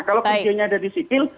kalau kerugiannya ada di sipil